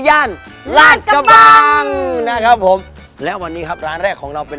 ย่านลาดกระบังนะครับผมและวันนี้ครับร้านแรกของเราเป็น